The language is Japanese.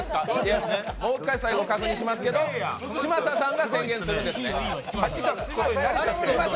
もう一回、最後確認しますけど嶋佐さんが宣言するんですね？